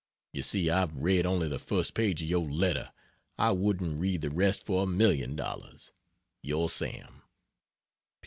You see I've read only the first page of your letter; I wouldn't read the rest for a million dollars. Yr SAM.